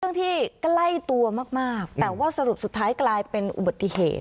ที่ใกล้ตัวมากมากแต่ว่าสรุปสุดท้ายกลายเป็นอุบัติเหตุ